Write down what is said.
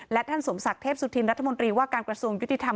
และท่านสมศักดิ์เทพสุธินรัฐมนตรีว่าการกระทรวงยุติธรรม